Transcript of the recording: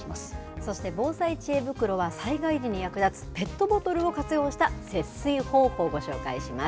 そして防災知恵袋は、災害時に役立つペットボトルを活用した節水方法をご紹介します。